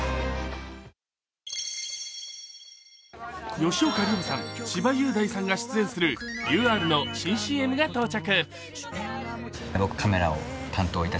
吉岡里帆さん、千葉雄大さんが出演するＵＲの新ＣＭが到着。